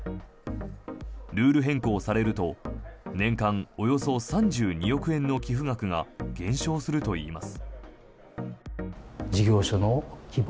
ルール変更されると年間およそ３２億円の寄付額が減少するといいます。